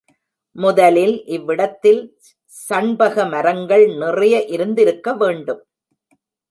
முதலில் இவ்விடத்தில் சண்பக மரங்கள் நிறைய இருந்திருக்க வேண்டும்.